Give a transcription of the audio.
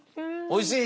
おいしい？